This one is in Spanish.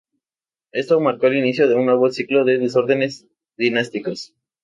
Esto marcó el inicio de un nuevo ciclo de desórdenes dinásticos.